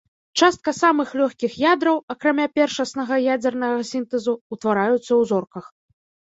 Частка самых лёгкіх ядраў, акрамя першаснага ядзернага сінтэзу, ўтвараюцца ў зорках.